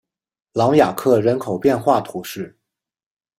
朗雅克人口变化图示